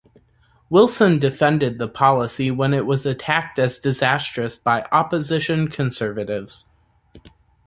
Wilson defended the policy when it was attacked as disastrous by opposition Conservatives.